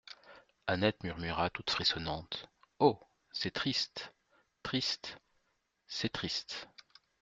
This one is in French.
Annette murmura toute frissonnante : «Oh ! c'est triste, triste.» C'est triste.